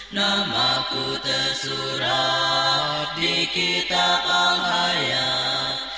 namaku tersurat di kitab penghayat